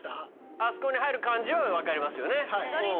あそこに入る漢字はわかりますよね。